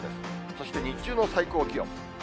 そして日中の最高気温。